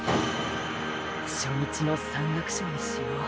初日の山岳賞にしよう。